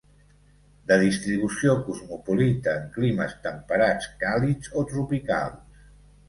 De distribució cosmopolita en climes temperats càlids o tropicals.